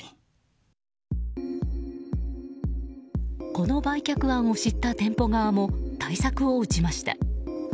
この売却案を知った店舗側も対策を打ちました。